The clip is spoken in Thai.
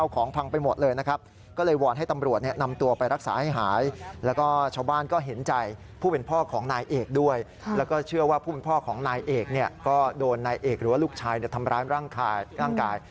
ก็โดนนายเอกหรือว่าลูกชายทำร้ายร่างกาย